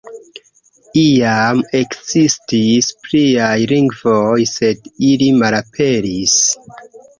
Iam ekzistis pliaj lingvoj, sed ili malaperis.